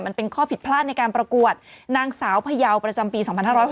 มันเป็นข้อผิดพลาดในการประกวดนางสาวพยาวประจำปี๒๕๖๐